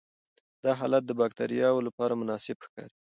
دا حالت د باکټریاوو لپاره مناسب ښکاري.